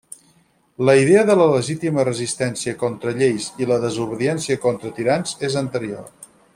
La idea de la legítima resistència contra lleis i la desobediència contra tirans és anterior.